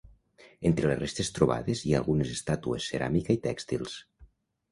Entre les restes trobades hi ha algunes estàtues, ceràmica i tèxtils.